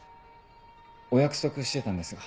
お約束してたんですが。